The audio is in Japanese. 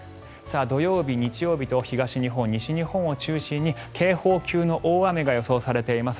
土曜日、日曜日と東日本、西日本を中心に警報級の大雨が予想されています。